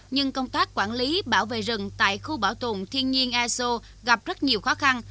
nhưng công tác quản lý bảo vệ rừng tại khu bảo tồn thiên nhiên aso gặp rất nhiều khó khăn